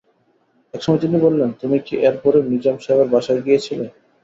একসময় তিনি বললেন, তুমি কি এর পরেও নিজাম সাহেবের বাসায় গিয়েছিলে?